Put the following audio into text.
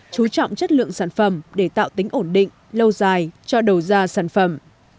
chú trọng chất lượng sản phẩm để tạo tính ổn định lâu dài cho đầu ra sản phẩm